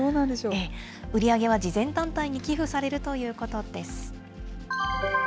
売り上げは慈善団体に寄付されるということです。